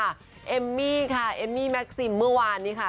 เอมรุงค่ะเอมรุงค่ะเอมมี่แมคซินเมื่อวานนี้ค่ะ